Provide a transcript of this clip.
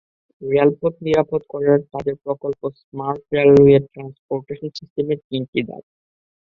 রেলপথ নিরাপদ করার তাদের প্রকল্প স্মার্ট রেলওয়ে ট্রান্সপোর্টেশন সিস্টেমের তিনটি ধাপ।